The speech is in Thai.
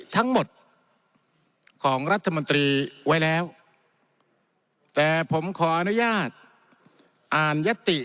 ทั้งหมดของรัฐมนตรีไว้แล้วแต่ผมขออนุญาตอ่านยติ